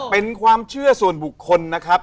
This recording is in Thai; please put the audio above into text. เป็นความเชื่อส่วนบุคคลนะครับ